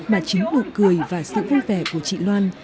mà chính nụ cười và sự vui vẻ của chị loan